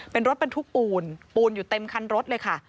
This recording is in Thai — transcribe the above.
เป็นรถบรรทุกปูนปูนอยู่เต็มคันรถเลยค่ะ